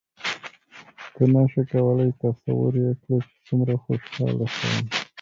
ته نه شې کولای تصور یې کړې چې څومره خوشحاله شوم.